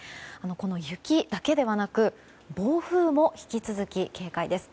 雪だけでなく暴風も引き続き警戒です。